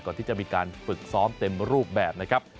ก่อนที่จะมีการฝึกซ้อมเต็มรูปแบบนะครับ